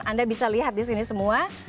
anda bisa lihat di sini semua